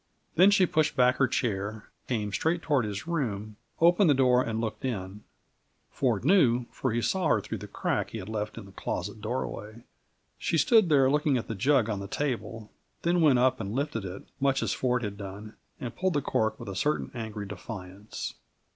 Then she pushed back her chair, came straight toward his room, opened the door, and looked in; Ford knew, for he saw her through the crack he had left in the closet doorway. She stood there looking at the jug on the table, then went up and lifted it, much as Ford had done, and pulled the cork with a certain angry defiance.